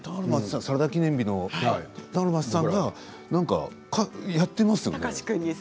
「サラダ記念日」の俵万智さんが何かやってますよね。